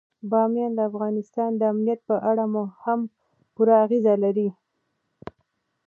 بامیان د افغانستان د امنیت په اړه هم پوره اغېز لري.